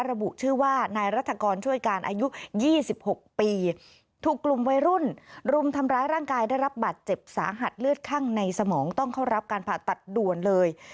ระบุชื่อว่านายรัฐกรช่วยการอายุ๒๖ปีถูกกลุ่มวัยรุ่นรุมทำร้ายร่างกายได้รับบัตรเจ็บสาหัสเลือดข้างในสมองต้องเข้ารับการผ่าตัดด่วนเลย